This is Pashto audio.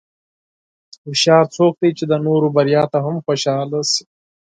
هوښیار څوک دی چې د نورو بریا ته هم خوشاله شي.